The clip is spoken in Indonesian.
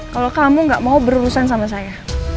kalau kamu gak mau berurusan sama saya